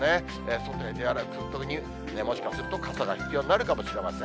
外を出歩くときにはもしかすると傘が必要となるかもしれません。